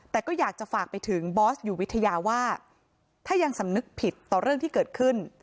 แต่ก็อยากจะฝากไปถึงบอสอยู่วิทยาว่าถ้ายังสำนึกผิดต่อเรื่องที่เกิดขึ้น